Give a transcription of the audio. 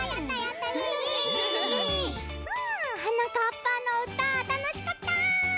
「はなかっぱ」のうたたのしかった！